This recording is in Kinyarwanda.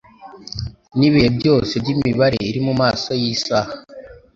Nibihe byose byimibare iri mumaso yisaha